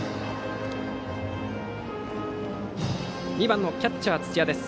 ２番キャッチャー、土屋。